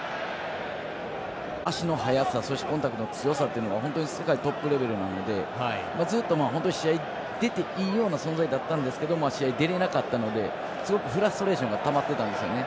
足の速さ、そしてコンタクトの速さが本当に世界トップレベルなのでずっと試合、出ていいような存在だったんですけど試合出れなかったのですごくフラストレーションがたまってたんですよね。